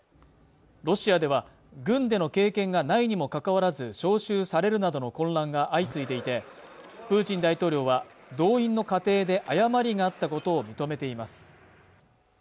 ロシアでは軍での経験がないにもかかわらず招集されるなどの混乱が相次いでいてプーチン大統領は動員の過程で誤りがあったことを認めています